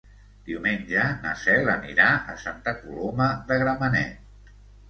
Diumenge na Cel anirà a Santa Coloma de Gramenet.